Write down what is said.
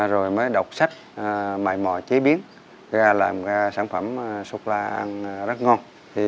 rồi mới đọc sách mại mò chế biến ra làm sản phẩm sô cô la ăn rất ngon